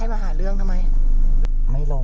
ปิดหน้าตาก่อน